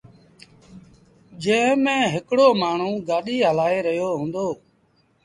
جݩهݩ ميݩ هڪڙو مآڻهوٚݩ گآڏيٚ هلآئي رهيو هُݩدو۔